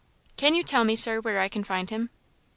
"Can you tell me, Sir, where I can find him?"